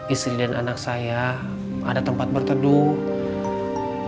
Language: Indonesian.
istri dan anak saya ada tempat berteduh